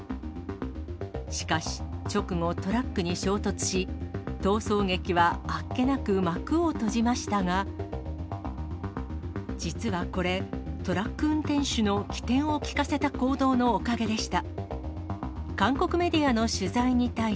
しかし、直後、トラックに衝突し、逃走劇はあっけなく幕を閉じましたが、実はこれ、トラック運転手の機転を利かせた行動のおかげでした。